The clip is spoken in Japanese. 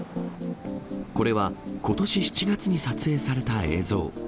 これはことし７月に撮影された映像。